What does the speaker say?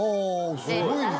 すごいね。